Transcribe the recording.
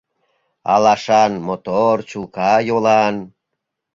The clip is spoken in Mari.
Алашан мотор — чулка йолан.